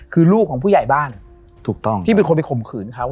คือลูกของผู้ใหญ่บ้านถูกต้องที่เป็นคนไปข่มขืนเขา